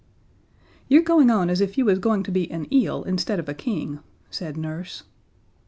"You're going on as if you was going to be an eel instead of a King," said Nurse.